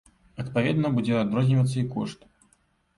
Адпаведна, будзе адрознівацца і кошт.